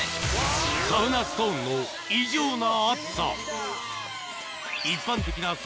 サウナストーンの異常な熱さ